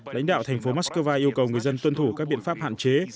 lãnh đạo thành phố mắc cơ va yêu cầu người dân tuân thủ các biện pháp hạn chế